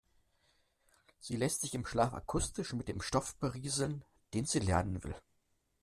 Sie lässt sich im Schlaf akustisch mit dem Stoff berieseln, den sie lernen will.